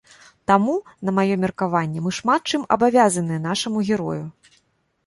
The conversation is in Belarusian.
Таму, на маё меркаванне, мы шмат чым абавязаны нашаму герою.